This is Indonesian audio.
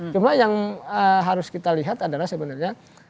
cuma yang harus kita lihat adalah sebenarnya